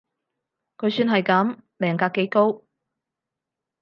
佢算係噉，命格幾高